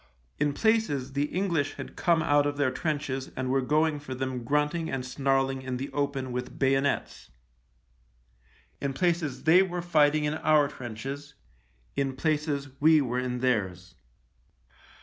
In places the English had come out of their trenches and were going for them grunting and snarling in the open with bayonets. In places they were fighting in our trenches — in places we were in theirs.